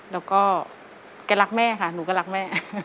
แล้วก็แกรักแม่ค่ะหนูก็รักแม่